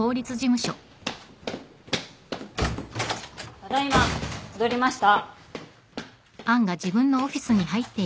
ただ今戻りました。